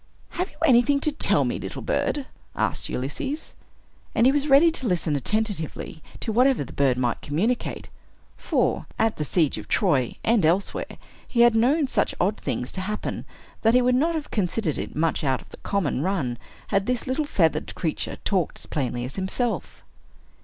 "Have you anything to tell me, little bird?" asked Ulysses. And he was ready to listen attentively to whatever the bird might communicate; for, at the siege of Troy, and elsewhere, he had known such odd things to happen, that he would not have considered it much out of the common run had this little feathered creature talked as plainly as himself.